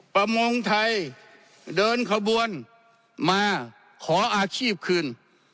ประมงไทยเดินขบวนมาขออาชีพคืน